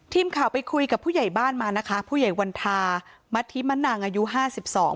ทีมข่าวไปคุยกับผู้ใหญ่บ้านมานะคะผู้ใหญ่วันธามัธิมะนางอายุห้าสิบสอง